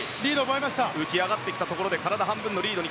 浮き上がってきたところで体半分のリード。